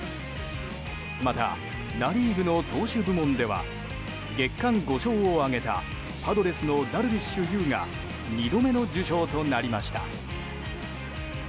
またナ・リーグの投手部門では月間５勝を挙げたパドレスのダルビッシュ有が２度目の受賞となりました。